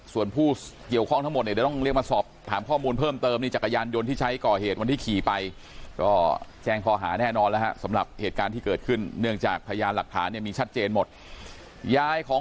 ส่วนผู้เกี่ยวข้องทั้งหมดเนี่ย